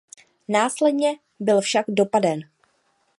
Následně byl však dopaden.